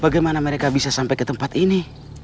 bagaimana mereka bisa sampai ke tempat ini